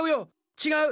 違う！